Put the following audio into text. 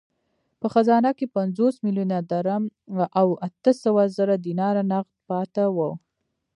په خزانه کې پنځوس میلیونه درم او اته سوه زره دیناره نغد پاته وو.